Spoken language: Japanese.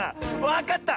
わかった！